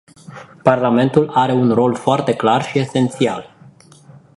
Parlamentul are un rol foarte clar și esențial.